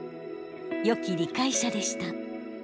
よき理解者でした。